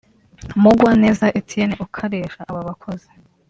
Mugwaneza Ethienne ukaresha aba bakozi